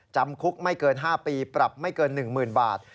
จำคุกไม่เกิน๕ปีปรับไม่เกิน๑๐๐๐บาท